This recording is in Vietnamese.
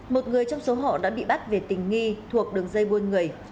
một người trong số họ đã bị bắt về tình nghi thuộc đường dây buôn người